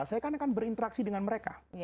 saya kan akan berinteraksi dengan mereka